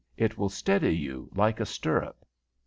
"It will steady you like a stirrup."